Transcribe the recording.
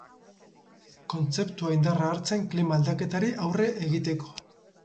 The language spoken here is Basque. Kontzeptua indarra hartzen klima aldaketari aurre egiteko.